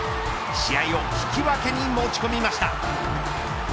試合を引き分けにもち込みました。